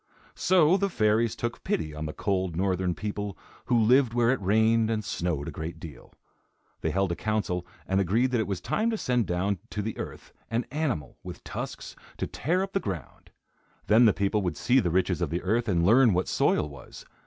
So the fairies took pity on the cold, northern people, who lived where it rained and snowed a great deal. They held a council and agreed that it was time to send down to the earth an animal, with tusks, to tear up the ground. Then the people would see the riches of the earth and learn what soil was.